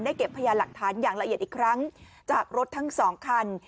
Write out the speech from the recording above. เก็บพยานหลักฐานอย่างละเอียดอีกครั้งจากรถทั้งสองคัน